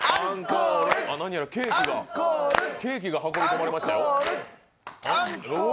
何やらケーキが、ケーキが運び込まれましたよ。